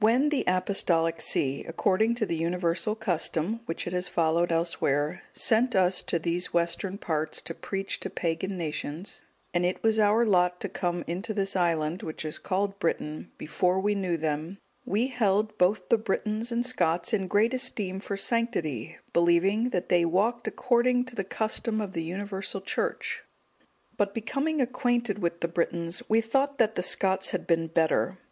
_ When the Apostolic see, according to the universal custom which it has followed elsewhere, sent us to these western parts to preach to pagan nations, and it was our lot to come into this island, which is called Britain, before we knew them, we held both the Britons and Scots in great esteem for sanctity, believing that they walked according to the custom of the universal Church; but becoming acquainted with the Britons, we thought that the Scots had been better.